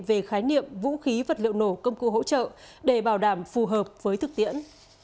về khái niệm vũ khí vật liệu nổ công cụ hỗ trợ để bảo đảm phù hợp với thực tiễn